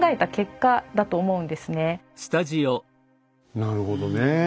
なるほどね。